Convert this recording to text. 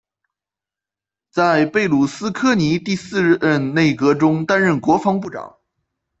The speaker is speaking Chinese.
在贝鲁斯柯尼第四任内阁中担任国防部长。